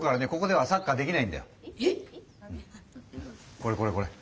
これこれこれ。